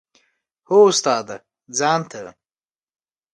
هو استاده ځان ته.